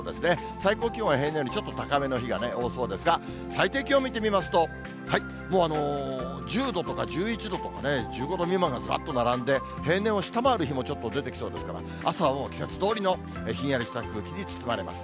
最高気温は平年よりちょっと高めの日が多そうですが、最低気温見てみますと、もう１０度とか１１度とか、１５度未満がずらっと並んで、平年を下回る日もちょっと出てきそうですが、朝はもう季節どおりのひんやりした空気に包まれます。